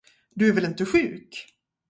Du är väl inte sjuk?